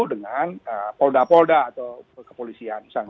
dengan polda polda atau kepolisian